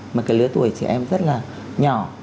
mà cái lứa tuổi trẻ em rất là nhỏ